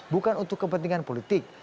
bukan untuk kepentingan politik